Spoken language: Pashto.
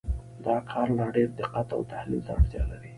دا کار لا ډېر دقت او تحلیل ته اړتیا لري.